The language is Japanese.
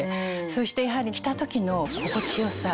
そしてやはり着た時の心地よさ。